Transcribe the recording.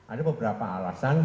ada beberapa alasan